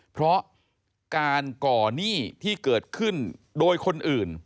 เพราะการก่อหนี้ที่เกิดขึ้นโดยคนอื่น